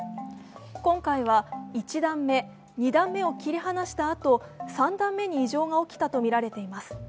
今回は１段目、２段目を切り離したあと３段目に異常が起きたとみられています。